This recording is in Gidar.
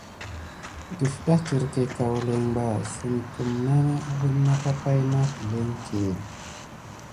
Dəfɗa étirké kaoulin bà sine kume nà wuna ka pay nà nane kilenké.